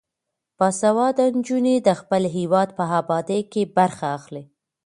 باسواده نجونې د خپل هیواد په ابادۍ کې برخه اخلي.